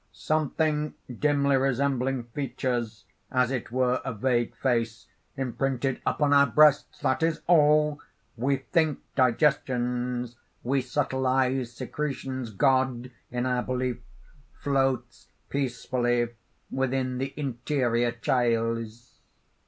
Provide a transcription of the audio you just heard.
"Something dimly resembling features as it were a vague face imprinted upon our breasts: that is all! We think digestions; we subtleize secretions. God, in our belief, floats peacefully within the interior chyles.